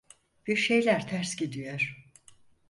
Bir şeyler ters gidiyor.